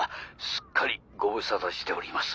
すっかりご無沙汰しております。